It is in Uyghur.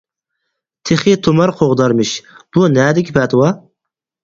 تېخى تۇمار قوغدارمىش؟ ! بۇ نەدىكى پەتىۋا؟ !